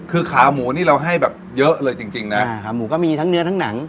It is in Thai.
คือขาหมูนี่เราให้แบบเยอะเลยจริงจริงนะอ่าขาหมูก็มีทั้งเนื้อทั้งหนัง